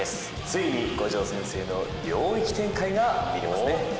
ついに五条先生の領域展開が見れますね。